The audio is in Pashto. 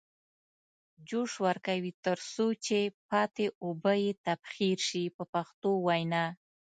جوش ورکوي تر څو چې پاتې اوبه یې تبخیر شي په پښتو وینا.